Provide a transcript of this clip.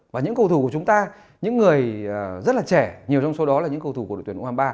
và những cầu thủ của chúng ta những người rất là trẻ nhiều trong số đó là những cầu thủ của đội tuyển u hai mươi ba